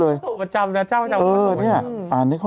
ลองอันพี่ค่ะ